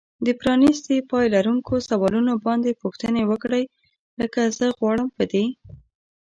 د پرانیستي پای لرونکو سوالونو باندې پوښتنې وکړئ. لکه زه غواړم په دې